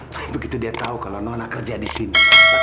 begitu dia tahu kalau nona kerja disini